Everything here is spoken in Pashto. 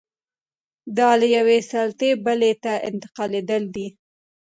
دا له یوې سلطې بلې ته انتقالېدل دي.